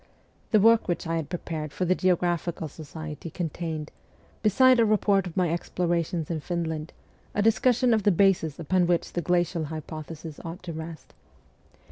The work which I had prepared for the Geographical Society contained, beside a report of my explorations in Finland, a discussion of the bases upon which the glacial hypothesis ought to rest.